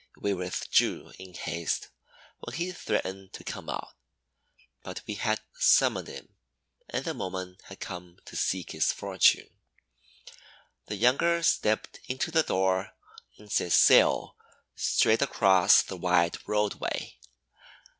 We withdrew in haste when he threatened to come out; but we had summoned him and the moment had come to seek his fortune. The youngster stepped into the door and set sail straight across the wide roadway.